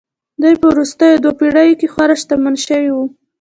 دوی په وروستیو دوو پېړیو کې خورا شتمن شوي وو